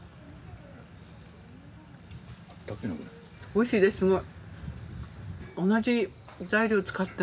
おいしいですすごい。